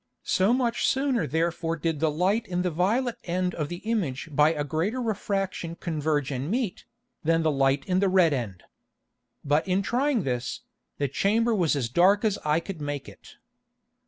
So much sooner therefore did the Light in the violet end of the Image by a greater Refraction converge and meet, than the Light in the red end. But in trying this, the Chamber was as dark as I could make it.